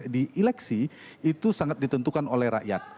di eleksi itu sangat ditentukan oleh rakyat